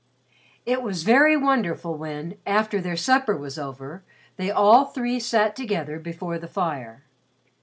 It was very wonderful when, after their supper was over, they all three sat together before the fire.